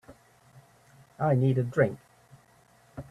I need a drink.